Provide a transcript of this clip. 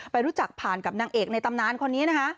รู้จักผ่านกับนางเอกในตำนานคนนี้นะคะ